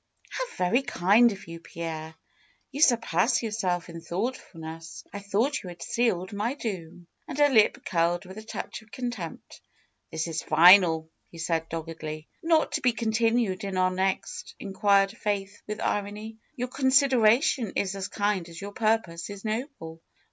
^^How very kind of you, Pierre ! You surpass your self in thoughtfulness. I thought you had sealed my doom," and her lip curled with a touch of contempt. '^This is final," he said, doggedly. ^^Not to be continued in our next?" inquired Faith with irony. ^^Your consideration is as kind as your purpose is noble."